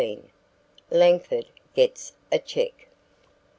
LANGFORD GETS A CHECK.